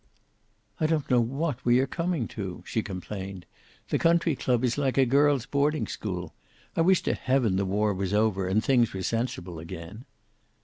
"I don't know what we are coming to," she complained. "The country club is like a girl's boarding school. I wish to heaven the war was over, and things were sensible again."